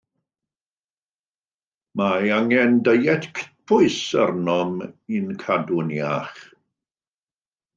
Mae angen diet cytbwys arnom i'n cadw'n iach